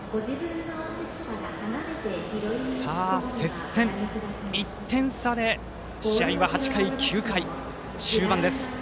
接戦、１点差で試合は８回、９回終盤です。